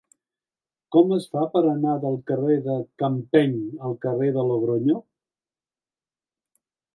Com es fa per anar del carrer de Campeny al carrer de Logronyo?